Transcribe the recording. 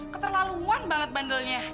keterlaluan banget bandelnya